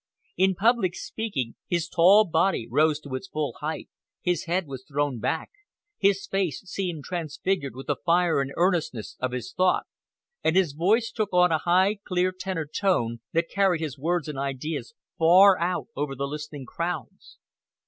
In public speaking, his tall body rose to its full height, his head was thrown back, his face seemed transfigured with the fire and earnestness of his thought, and his voice took on a high clear tenor tone that carried his words and ideas far out over the listening crowds.